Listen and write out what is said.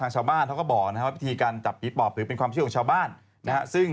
ชาวบ้านเขาก็บอกว่าพิธีการจับปีปอบถือเป็นความชื่อของชาวบ้าน